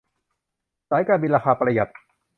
สายการบินราคาประหยัด